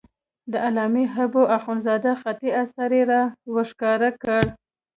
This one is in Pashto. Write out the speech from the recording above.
د علامه حبو اخندزاده خطي اثر یې را وښکاره کړ.